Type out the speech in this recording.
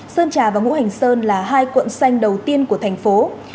sơn trà và ngũ hành sơn là hai quận xanh đầu tiên của thành phố